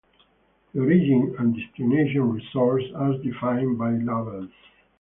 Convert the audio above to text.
The origin and destination resources are defined by labels.